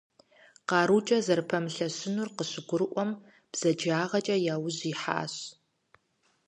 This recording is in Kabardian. Къарукӏэ зэрыпэмылъэщынур къащыгурыӏуэм, бзаджагъэкӏэ яужь ихьахэщ.